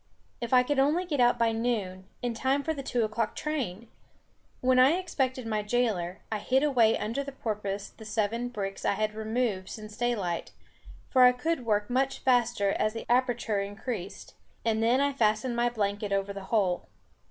If I could only get out by noon, in time for the two o'clock train! When I expected my jailor, I hid away under the porpoise the seven bricks I had removed since daylight for I could work much faster as the aperture increased and then I fastened my blanket over the hole.